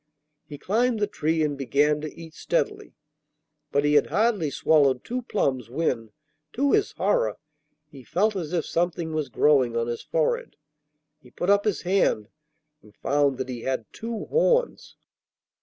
He climbed the tree and began to eat steadily. But he had hardly swallowed two plums when, to his horror, he felt as if something was growing on his forehead. He put up his hand and found that he had two horns!